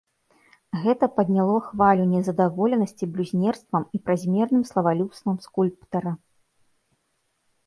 Гэта падняло хвалю незадаволенасці блюзнерствам і празмерным славалюбствам скульптара.